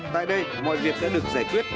tại đây mọi việc đã được giải quyết